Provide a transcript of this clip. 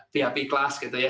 vip kelas gitu ya